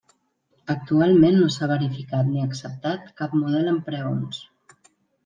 Actualment no s'ha verificat ni acceptat cap model amb preons.